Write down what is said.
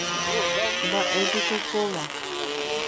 Mba'épiko kóva.